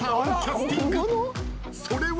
［それは］